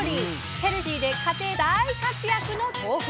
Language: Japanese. ヘルシーで家庭で大活躍の豆腐。